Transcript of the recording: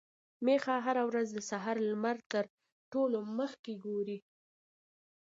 ميښه هره ورځ د سهار لمر تر ټولو مخکې ګوري.